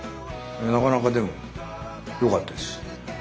なかなかでもよかったですはい。